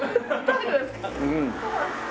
うん。